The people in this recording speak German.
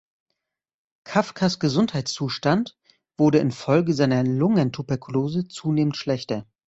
Kafkas Gesundheitszustand wurde in Folge seiner Lungentuberkulose zunehmend schlechter.